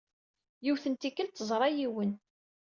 Yiwet n tikkelt, teẓra yiwen.